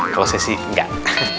kalau saya sih enggak